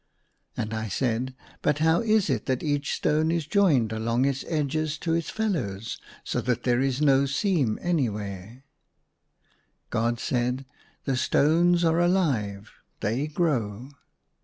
And I said, " But how is it that each stone is joined along its edges to its fellows, so that there is no seam any where }" God said, " The stones are alive ; they grow."